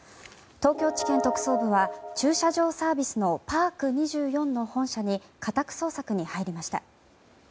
東京地検特捜部は駐車場サービスのパーク２４の本社に家宅捜索に入りました。